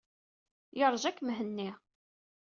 Yeṛja-k Mhenni.